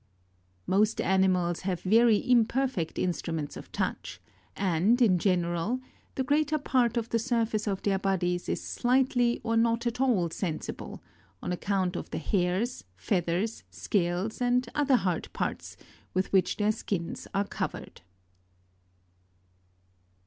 18. Most animals have very imperfect instruments of touch, and, in general, the greater part of the surface of their bodies i.s slightly or not at all sensible, on account of the hairs, feathers, scales, and other hard parts, with which their skins are covered.